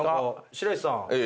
白石さん。